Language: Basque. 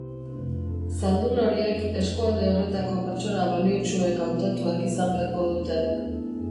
Zaldun horiek eskualde horretako pertsona baliotsuek hautatuak izan beharko dute.